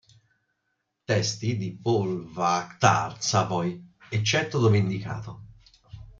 Testi di Paul Waaktaar-Savoy, eccetto dove indicato.